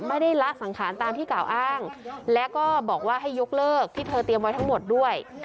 ละสังขารตามที่กล่าวอ้างแล้วก็บอกว่าให้ยกเลิกที่เธอเตรียมไว้ทั้งหมดด้วย